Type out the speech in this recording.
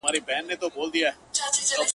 د جهنم منځ کي د اوسپني زنځیر ویده دی